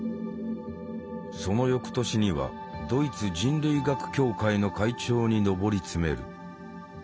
その翌年にはドイツ人類学協会の会長に上り詰める。